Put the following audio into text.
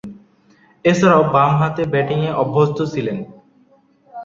এছাড়াও, বামহাতে ব্যাটিংয়ে অভ্যস্ত ছিলেন।